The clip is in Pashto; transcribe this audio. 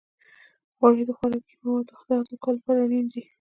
غوړې د خوراکي موادو د هضم کولو لپاره اړینې دي.